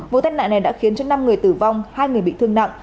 vụ tai nạn này đã khiến cho năm người tử vong hai người bị thương nặng